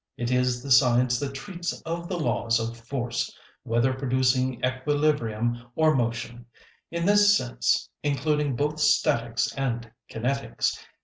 It is the science that treats of the laws of force, whether producing equilibrium or motion; in this sense including both statics and kinetics.